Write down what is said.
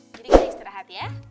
jadi kita istirahat ya